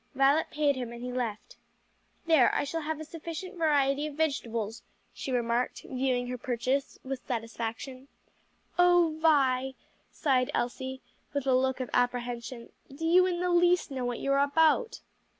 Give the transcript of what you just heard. Violet paid him and he left. "There, I shall have a sufficient variety of vegetables," she remarked, viewing her purchase with satisfaction. "O Vi," sighed Elsie, with a look of apprehension, "do you in the least know what you are about?"